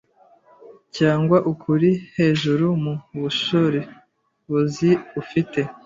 cyangwa ukuri hejuru mu bushobozi ufite,